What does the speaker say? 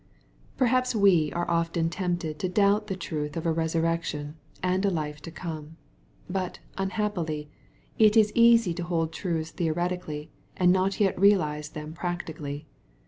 Perhaps we are often tempted to doubt the truth of a resurrection, and a life to come. But, unhappily, it is easy to hold truths theoretically, and yet not realize them practically.